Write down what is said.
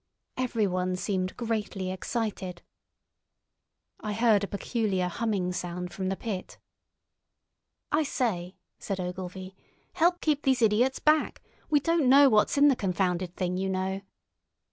Every one seemed greatly excited. I heard a peculiar humming sound from the pit. "I say!" said Ogilvy; "help keep these idiots back. We don't know what's in the confounded thing, you know!"